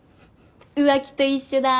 浮気と一緒だ。